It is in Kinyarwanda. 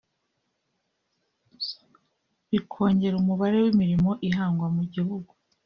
bikongera umubare w’imirimo ihangwa mu gihugu